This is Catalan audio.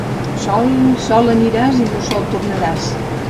Sol, sol aniràs i mussol tornaràs.